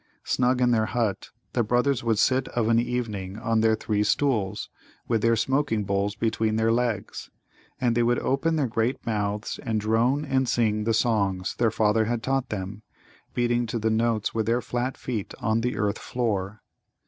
Snug in their hut, the brothers would sit of an evening on their three stools, with their smoking bowls between their legs. And they would open their great mouths and drone and sing the songs their father had taught them, beating to the notes with their flat feet on the earth floor.